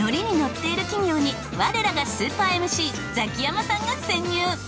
ッている企業に我らがスーパーＭＣザキヤマさんが潜入。